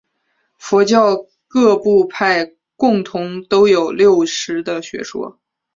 佛教各部派共同都有六识的学说。